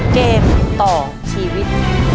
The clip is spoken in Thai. เกมต่อชีวิต